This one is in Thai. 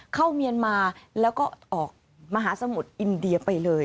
เมียนมาแล้วก็ออกมหาสมุทรอินเดียไปเลย